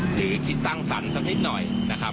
หรือคิดสร้างสรรค์สักนิดหน่อยนะครับ